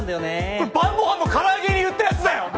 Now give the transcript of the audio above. これ晩ご飯の唐揚げに言ったやつだよ！